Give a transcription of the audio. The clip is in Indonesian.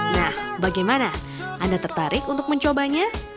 nah bagaimana anda tertarik untuk mencobanya